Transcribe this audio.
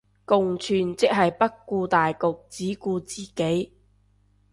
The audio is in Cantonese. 共存即係不顧大局只顧自己